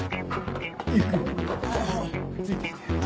ついてきて。